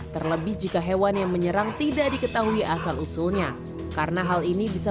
terlebih jika hewan yang menyerang tidak diketahui asal usulnya karena hal ini bisa